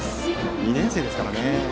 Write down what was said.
２年生ですからね。